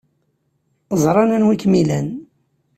Ẓran anwa ay kem-ilan.